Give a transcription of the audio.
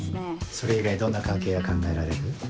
それ以外どんな関係が考えられる？